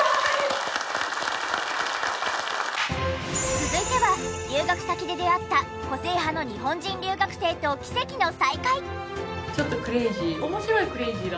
続いては留学先で出会った個性派の日本人留学生と奇跡の再会！